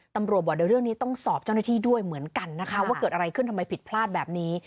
ตำรวจบอกเดี๋ยวเรื่องนี้ต้องสอบเจ้าหน้าที่ด้วยเหมือนกันนะคะว่าเกิดอะไรขึ้นทำไมผิดพลาดแบบนี้